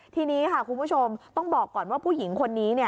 ทีนี้ค่ะคุณผู้ชมต้องบอกก่อนว่าผู้หญิงคนนี้